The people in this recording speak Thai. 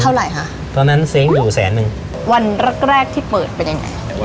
เท่าไหร่ค่ะตอนนั้นเซ้งอยู่แสนนึงวันแรกแรกที่เปิดเป็นยังไง